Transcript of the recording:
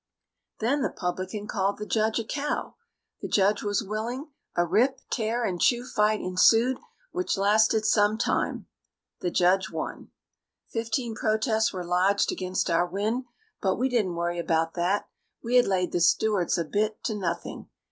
Then the publican called the judge a cow. The judge was willing; a rip, tear, and chew fight ensued, which lasted some time. The judge won. Fifteen protests were lodged against our win, but we didn't worry about that we had laid the stewards a bit to nothing.